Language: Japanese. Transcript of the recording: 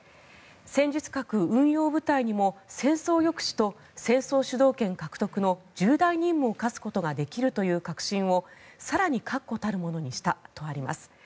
戦術核運用部隊にも戦争抑止と戦争主導権獲得の重大任務を課すことができるという確信を更に確固たるものにしたとあります。